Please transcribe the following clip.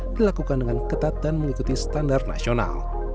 dilakukan dengan ketat dan mengikuti standar nasional